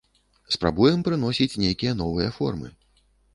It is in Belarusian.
Спрабуем прыносіць нейкія новыя формы.